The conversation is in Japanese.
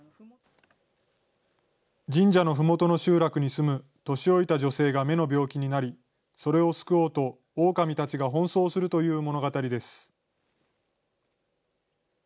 神社のふもとの集落に住む年老いた女性が目の病気になり、それを救おうと、オオカミたちが奔走するという物語です。